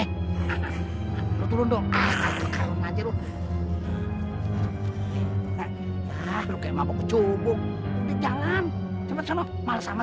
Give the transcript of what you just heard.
hai lu turun dong ah kau ngajar lu ah lu kemampu cubung jalan jalan malas sama